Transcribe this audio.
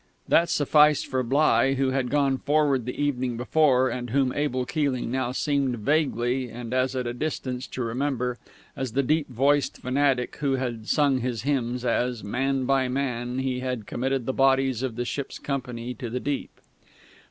That sufficed for Bligh, who had gone forward the evening before, and whom Abel Keeling now seemed vaguely and as at a distance to remember as the deep voiced fanatic who had sung his hymns as, man by man, he had committed the bodies of the ship's company to the deep.